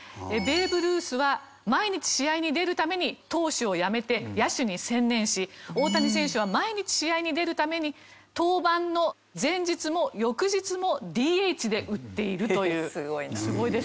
ベーブ・ルースは毎日試合に出るために投手をやめて野手に専念し大谷選手は毎日試合に出るために登板の前日も翌日もＤＨで打っているという。